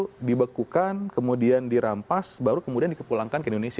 jadi dia harus ditelusuri dulu dibekukan kemudian dirampas baru kemudian dikepulangkan ke indonesia